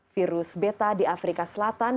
virus beta di afrika selatan